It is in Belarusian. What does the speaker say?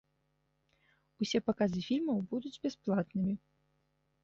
Усе паказы фільмаў будуць бясплатнымі.